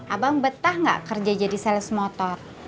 abang betah nggak kerja jadi sales motor